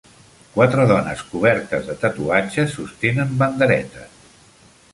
Quatre dones cobertes de tatuatges sostenen banderetes.